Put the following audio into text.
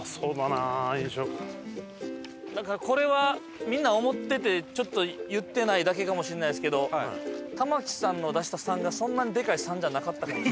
なんかこれはみんな思っててちょっと言ってないだけかもしれないですけど玉木さんの出した「３」がそんなにでかい「３」じゃなかったかも。